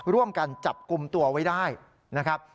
ร่วมกันจับกลุ่มตัวไว้ได้นะครับ